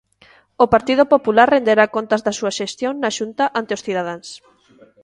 "O Partido Popular renderá contas da súa xestión na Xunta ante os cidadáns".